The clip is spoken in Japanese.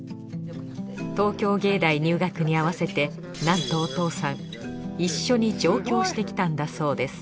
東京藝大入学に合わせてなんとお父さん一緒に上京してきたんだそうです